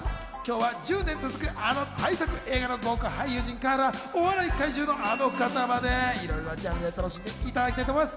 １０年続く、あの大作映画の豪華俳優陣からお笑い怪獣のあの方まで、いろいろなジャンルでお楽しみいただきたいと思います。